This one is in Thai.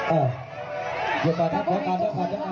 โอ้แก่นาทีครับแก่นาทีใจเย็นนะคะใจเย็นนะคะ